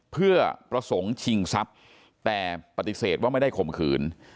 เพื่อประสงค์ชิงทรัพย์แต่ปฏิเสธว่าไม่ได้ข่มขืน